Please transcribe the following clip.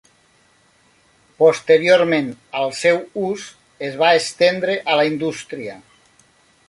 Posteriorment el seu ús es va estendre a la indústria.